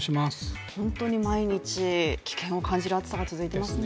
本当に毎日危険を感じる暑さが続いていますね